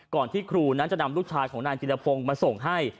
ที่ครูนั้นจะนำลูกชายของนายจิรพงศ์มาส่งให้